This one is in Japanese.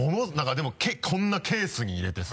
こんなケースに入れてさ。